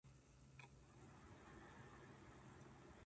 帰り道には駄菓子屋さんに寄りました。